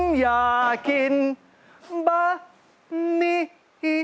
ฉันอยากกินมะนิฮิ